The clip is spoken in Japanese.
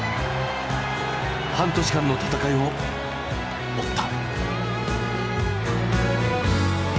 半年間の戦いを追った。